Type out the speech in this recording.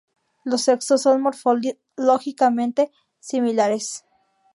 Los sexos son morfológicamente similares.